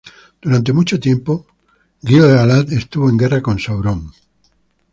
Durante mucho tiempo, Gil-Galad estuvo en guerra con Sauron.